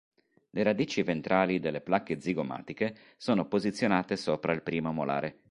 Le radici ventrali delle placche zigomatiche sono posizionate sopra il primo molare.